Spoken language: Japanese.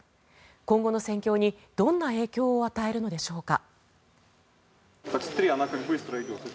今後の戦況に、どんな影響を与えるのでしょうか。